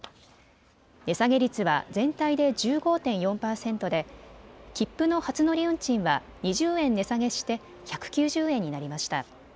値下げ率は全体で１５．４％で切符の初乗り運賃は２０円値下げして１９０円になりました。